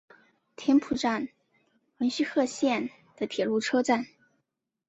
田浦站横须贺线的铁路车站。